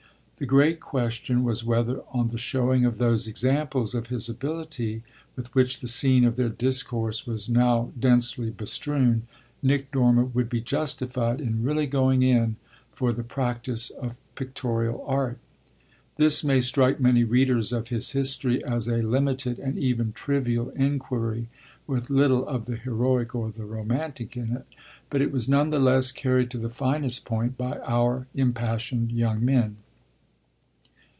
The great question was whether, on the showing of those examples of his ability with which the scene of their discourse was now densely bestrewn, Nick Dormer would be justified in "really going in" for the practice of pictorial art. This may strike many readers of his history as a limited and even trivial inquiry, with little of the heroic or the romantic in it; but it was none the less carried to the finest point by our impassioned young men.